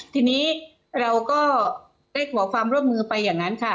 ทีนี้เราก็ได้ขอความร่วมมือไปอย่างนั้นค่ะ